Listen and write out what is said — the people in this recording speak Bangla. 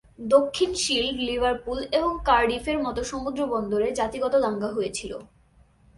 দক্ষিণ শিল্ড, লিভারপুল এবং কার্ডিফের মতো সমুদ্র বন্দরে জাতিগত দাঙ্গা হয়েছিল।